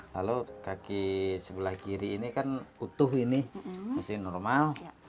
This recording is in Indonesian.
lalu kaki sebelah kiri ini kan utuh ini masih normal